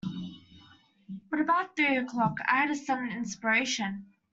But about three o’clock I had a sudden inspiration.